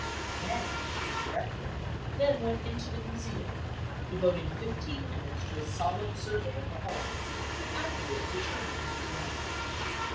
The man, as directed, then went into the Museum, devoting fifteen minutes to a solemn survey of the halls, and afterwards returning to his round.